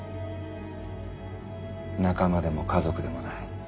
仲間でも家族でもない。